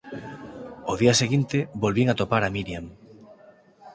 Ó día seguinte, volvín atopar a Miriam.